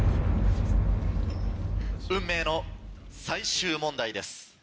運命の最終問題です。